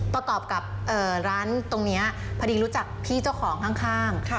ประกอบกับร้านตรงนี้พอดีรู้จักพี่เจ้าของข้าง